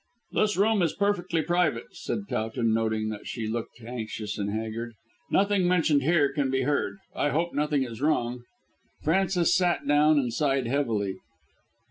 "This room is perfectly private," said Towton, noting that she looked anxious and haggard. "Nothing mentioned here can be heard. I hope nothing is wrong." Frances sat down and sighed heavily.